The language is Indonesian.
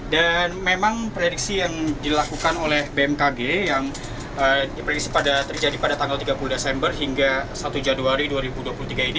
dan memang prediksi yang dilakukan oleh bmkg yang terjadi pada tanggal tiga puluh desember hingga satu januari dua ribu dua puluh tiga ini